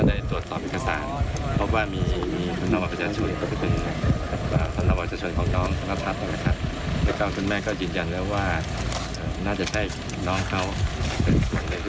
เราก็จะส่งสบทั้งครอบครัวนะครับ